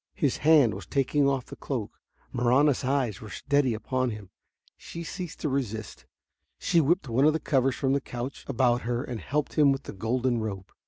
His hand was taking off the cloak. Marahna's eyes were steady upon him. She ceased to resist. She whipped one of the covers from the couch about her and helped him with the golden robe.